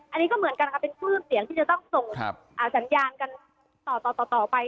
อันนี้ก็เหมือนกันค่ะเป็นคลื่นเสียงที่จะต้องส่งสัญญาณกันต่อต่อไป